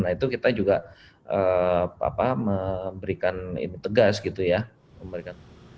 nah itu kita juga memberikan tegas gitu ya